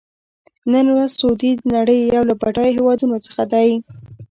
نن ورځ سعودي د نړۍ یو له بډایه هېوادونو څخه دی.